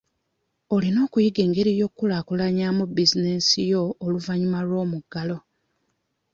Olina okuyiga engeri y'okukulaakulanyaamu bizinensi yo oluvannyuma lw'omuggalo.